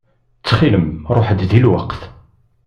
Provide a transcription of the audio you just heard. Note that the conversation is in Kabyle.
Ttxil-m ṛuḥ-d di lweqt.